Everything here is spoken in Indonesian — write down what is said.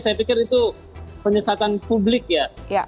saya pikir itu penyesatan publik ya